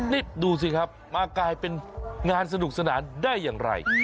นี่ดูสิครับมากลายเป็นงานสนุกสนานได้อย่างไร